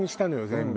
全部。